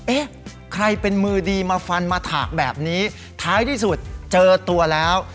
เอ๊ะใครเป็นมือดีมาฟันมาถากแบบนี้ท้ายที่สุดเจอตัวแล้ว